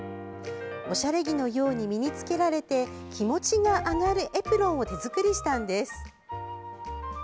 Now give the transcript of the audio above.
おしゃれ着のように身に着けられて気持ちが上がるエプロンを手作りしたんです。